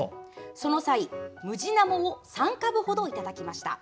その際、ムジナモを３株程いただきました。